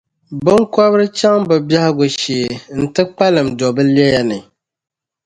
biŋkɔbiri chaŋ bɛ biɛhigu shee nti kpalim do bɛ lɛya ni.